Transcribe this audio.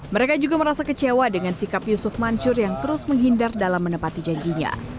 mereka juga merasa kecewa dengan sikap yusuf mansur yang terus menghindar dalam menepati janjinya